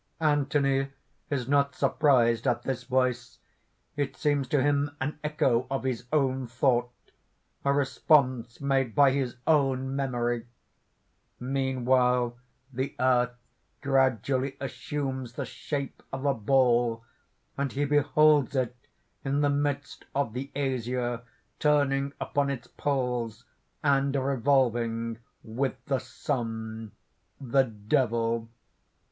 (Anthony is not surprised at this voice. It seems to him an echo of his own thought a response made by his own memory. _Meanwhile the earth gradually assumes the shape of a ball; and he beholds it in the midst of the azure, turning upon its poles, and revolving with the sun._) THE DEVIL.